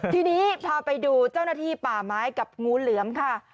ทีนี้พาไปดูเจ้าหน้าที่ป่าไม้กับงูเหลือมค่ะ